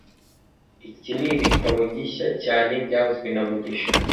Iki ni ibitabo gishya cyane byavuzwe na mugisha